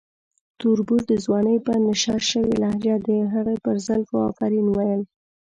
تربور د ځوانۍ په نشه شوې لهجه د هغې پر زلفو افرین وویل.